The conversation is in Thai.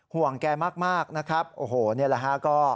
ห่วงแกมากนะครับโอ้โหนี่แหละฮะก็